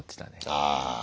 ああ。